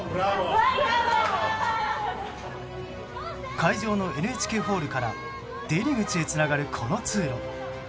会場のＮＨＫホールから出入り口へつながるこの通路。